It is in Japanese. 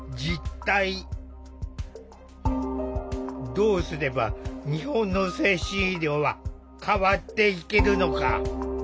どうすれば日本の精神医療は変わっていけるのか考える！